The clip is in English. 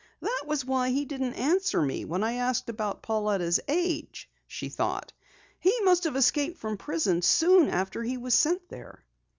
"That was why he didn't answer me when I asked about Pauletta's age!" she thought. "He must have escaped from prison soon after he was sent there!"